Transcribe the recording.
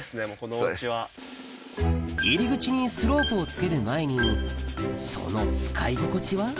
入り口にスロープを付ける前にその使い心地は？